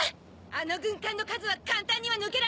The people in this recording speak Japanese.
あの軍艦の数は簡単には抜けられない！